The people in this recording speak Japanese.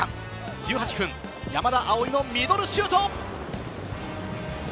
１８分、山田蒼のミドルシュート。